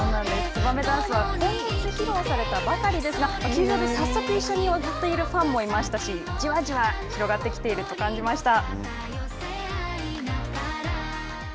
ツバメダンスは今月披露されたばかりですが球場で早速一緒に踊っているファンもいましたし、じわじわ広がってきていると感じました。